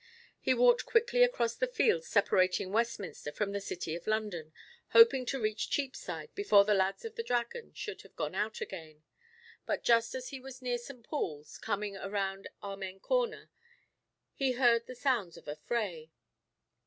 He walked quickly across the fields separating Westminster from the City of London, hoping to reach Cheapside before the lads of the Dragon should have gone out again; but just as he was near St. Paul's, coming round Amen Corner, he heard the sounds of a fray.